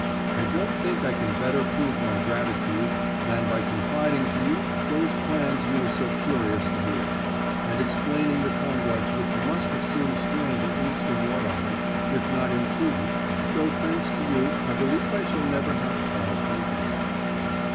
I don't think I can better prove my gratitude than by confiding to you those plans you were so curious to hear, and explaining the conduct which must have seemed strange at least in your eyes, if not imprudent, though, thanks to you, I believe I shall never have cause to regret it.